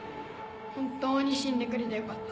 本当に死んでくれてよかった